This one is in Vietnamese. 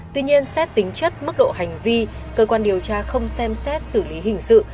tuy nhiên xét tính chất mức độ hành vi cơ quan điều tra không xem xét xử lý hình sự